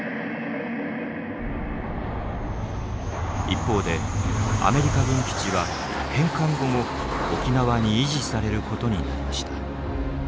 一方でアメリカ軍基地は返還後も沖縄に維持されることになりました。